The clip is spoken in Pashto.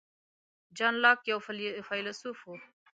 جان لاک یو فیلسوف و چې د آزادو ټولنو پر جوړښت یې اغېز وکړ.